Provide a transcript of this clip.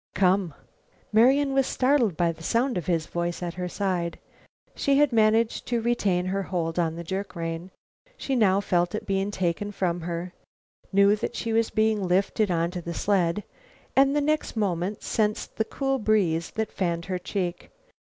"Come," Marian was startled by the sound of his voice at her side. She had managed to retain her hold on the jerk rein. She now felt it being taken from her, knew that she was being lifted onto the sled and, the next moment, sensed the cool breeze that fanned her cheek.